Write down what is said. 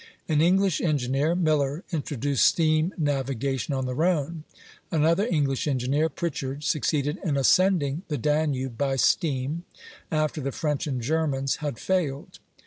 An English engineer (Miller) introduced steam navigation on the Rhone; another English engineer (Pritchard) succeeded in ascending the Danube by steam, after the French and Germans had failed.